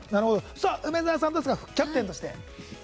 梅澤さんですが副キャプテンとして。